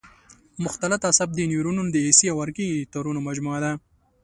مختلط اعصاب د نیورونونو د حسي او حرکي تارونو مجموعه ده.